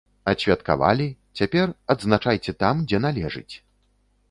Адсвяткавалі, цяпер, адзначайце там, дзе належыць.